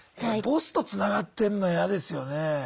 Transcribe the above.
ボスとつながってんの嫌ですよねえ。